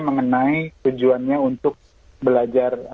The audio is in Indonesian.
mengenai tujuannya untuk belajar